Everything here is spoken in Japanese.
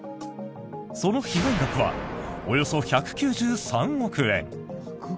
その被害額はおよそ１９３億円。